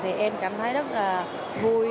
thì em cảm thấy rất là vui